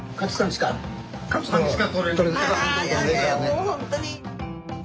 もう本当に。